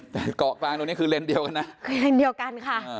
แต่เกาะกลางตรงนี้คือเลนส์เดียวกันนะคือเลนเดียวกันค่ะ